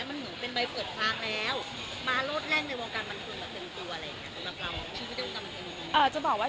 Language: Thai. มันถึงเป็นใบเปิดภาคแล้วมาโลดแร่งในวงการบันเทิงแบบเป็นตัวอะไรอย่างเงี้ย